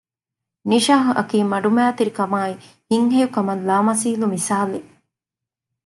ނިޝާހް އަކީ މަޑުމައިތިރި ކަމާއި ހިތްހެޔޮކަމަށް ލާމަސީލު މިސާލެއް